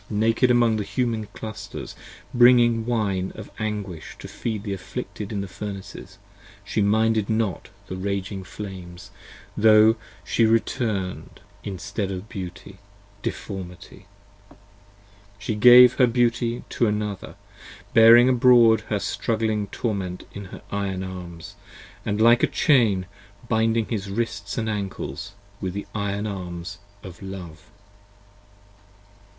411 Naked among the human clusters: bringing wine of anguish 65 To feed the afflicted in the Furnaces: she minded not The raging flames, tho' she return'd instead of beauty Deformity: she gave her beauty to another: bearing abroad Her struggling torment in her iron arms: and like a chain, Binding his wrists & ankles with the iron arms of love.